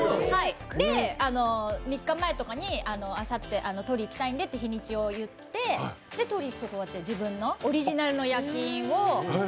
で、３日前とかに、あさって取りにいきたいんでと日にちを言ってこうやって自分のオリジナルの焼き印を。